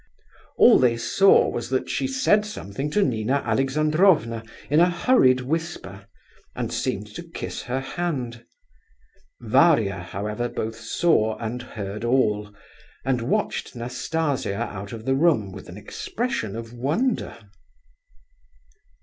All they saw was that she said something to Nina Alexandrovna in a hurried whisper, and seemed to kiss her hand. Varia, however, both saw and heard all, and watched Nastasia out of the room with an expression of wonder.